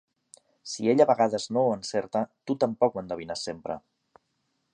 Si ell a vegades no ho encerta, tu tampoc no ho endevines sempre.